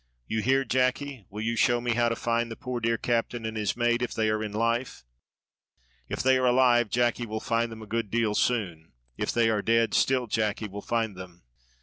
You hear, Jacky, will you show me how to find the poor dear captain and his mate if they are in life?" "If they are alive, Jacky will find them a good deal soon if they are dead, still Jacky will find them."